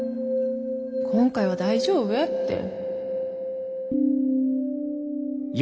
今回は大丈夫やって。